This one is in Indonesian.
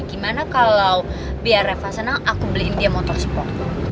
gimana kalau biar eva senang aku beliin dia motor sport